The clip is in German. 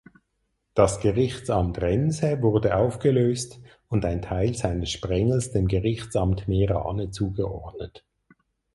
Das Gerichtsamt Remse wurde aufgelöst und ein Teil seines Sprengels dem Gerichtsamt Meerane zugeordnet.